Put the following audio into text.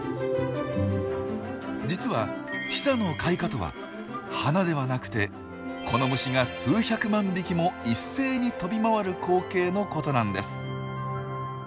実は「ティサの開花」とは花ではなくてこの虫が数百万匹も一斉に飛び回る光景のことなんです。